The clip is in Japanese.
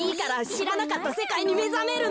しらなかったせかいにめざめるのだ。